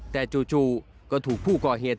แต่จู่ก็ถูกผู้ก่อเหตุ